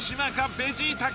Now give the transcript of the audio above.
ベジータか？